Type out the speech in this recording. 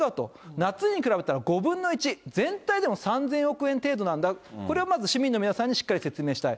夏に比べたら５分の１、全体でも３０００億円程度なんだと、これをまず市民の皆さんにしっかり説明したい。